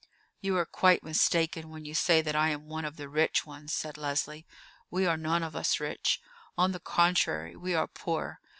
"You are quite mistaken when you say that I am one of the rich ones," said Leslie; "we are none of us rich. On the contrary, we are poor.